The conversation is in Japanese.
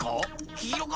きいろか？